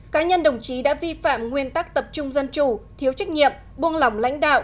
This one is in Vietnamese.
cá nhân đồng chí đã vi phạm nguyên tắc tập trung dân chủ thiếu trách nhiệm buông lỏng lãnh đạo